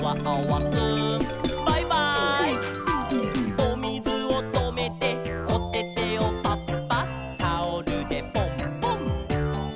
「おみずをとめておててをパッパッ」「タオルでポンポン」